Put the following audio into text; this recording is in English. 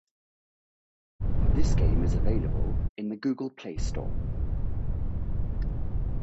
This game is available in the Google Play Store.